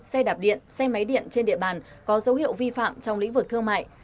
xe đạp điện xe máy điện trên địa bàn có dấu hiệu vi phạm trong lĩnh vực thương mại